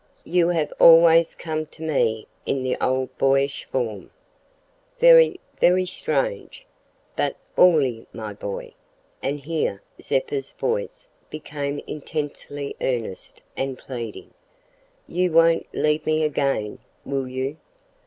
You have always come to me in the old boyish form. Very, very strange! But, Orley, my boy" (and here Zeppa's voice became intensely earnest and pleading), "you won't leave me again, will you?